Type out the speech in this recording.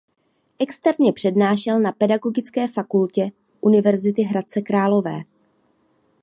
Externě přednášel na Pedagogické fakultě Univerzity Hradec Králové.